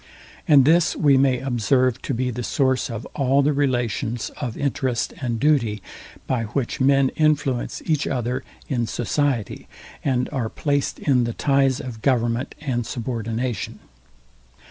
And this we may observe to be the source of all the relation, of interest and duty, by which men influence each other in society, and are placed in the ties of government and subordination.